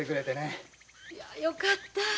いやよかった。